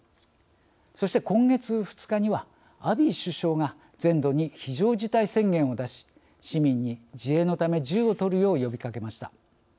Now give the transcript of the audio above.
そして今月２日にはアビー首相が全土に非常事態宣言を出し市民に自衛のため銃を取るよう呼びかけました。